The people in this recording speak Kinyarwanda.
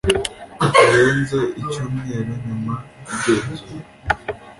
bitarenze icyumweru nyuma y igenzura